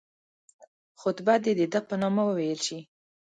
خطبه دي د ده په نامه وویل شي.